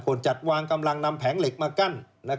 จัดวางกำลังนำแผงเหล็กมากั้น